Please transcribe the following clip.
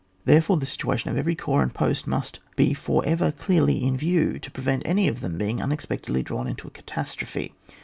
Therefore the situation of every corps and post must be for ever kept clearly in view, to prevent any of them being un expectedly drawn into a catastrophe.